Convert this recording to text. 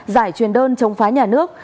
giải truyền đơn chống phá nhà nước